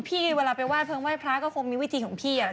เวลาไปไห้เพิงไห้พระก็คงมีวิธีของพี่อะ